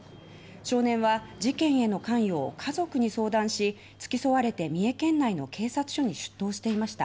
少年は事件への関与を家族に相談し付き添われて三重県内の警察署に出頭していました。